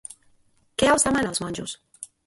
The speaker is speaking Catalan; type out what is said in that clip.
Què els demana als monjos?